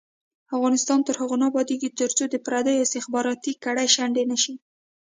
افغانستان تر هغو نه ابادیږي، ترڅو د پردیو استخباراتي کړۍ شنډې نشي.